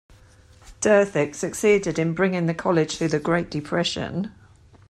Derthick succeeded in bringing the college through the Great Depression.